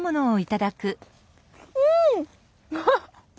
うん！